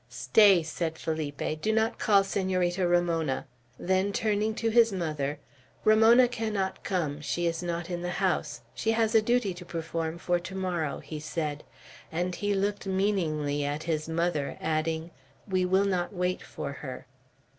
"Stay," said Felipe. "Do not call Senorita Ramona." Then, turning to his mother, "Ramona cannot come. She is not in the house. She has a duty to perform for to morrow," he said; and he looked meaningly at his mother, adding, "we will not wait for her."